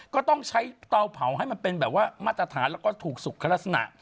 ก็ต้องใช้เตาเผาให้มันเป็นแบบว่ามาตรฐานแล้วก็ถูกสุขลักษณะ